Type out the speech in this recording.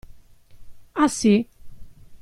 Ah, sì.